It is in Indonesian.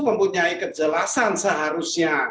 mempunyai kejelasan seharusnya